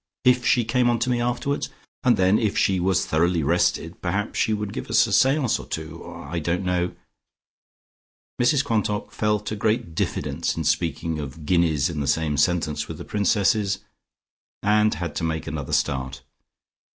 If she came on to me afterwards? And then if she was thoroughly rested, perhaps she would give us a seance or two. I don't know " Mrs Quantock felt a great diffidence in speaking of guineas in the same sentence with Princesses, and had to make another start.